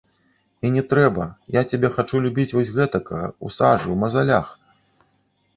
І не трэба, я цябе хачу любіць вось гэтакага, у сажы, у мазалях!